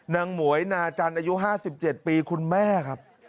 หมวยนาจันทร์อายุ๕๗ปีคุณแม่ครับ